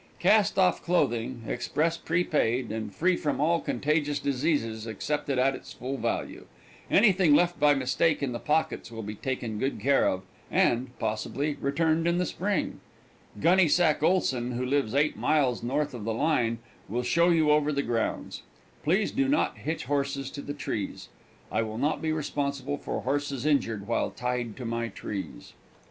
Cast off clothing, express prepaid, and free from all contagious diseases, accepted at its full value. Anything left by mistake in the pockets will be taken good care of, and, possibly, returned in the spring. Gunnysack Oleson, who lives eight miles north of the county line, will show you over the grounds. Please do not hitch horses to the trees. I will not be responsible for horses injured while tied to my trees.